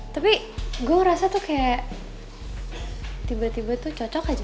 tapi gue ngerasa tuh kayak tiba tiba tuh cocok aja